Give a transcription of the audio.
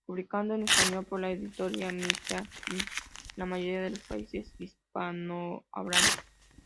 Publicado en español por la editorial McGraw-Hill en la mayoría de los países hispanohablantes.